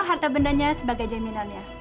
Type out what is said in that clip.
harta bendanya sebagai jaminannya